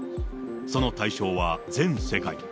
その対象は全世界。